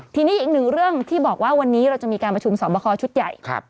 ทีนี้อีกหนึ่งเรื่องที่บอกว่าวันนี้เราจะมีการประชุมสอบคอชุดใหญ่